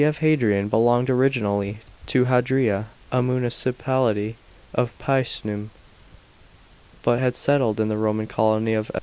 f Hadrian belonged originally to Hadria, a municipality of Picenum, but had settled in the Roman colony of 117 A.